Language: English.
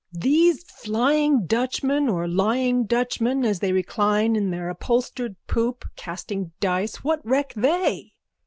_ These flying Dutchmen or lying Dutchmen as they recline in their upholstered poop, casting dice, what reck they?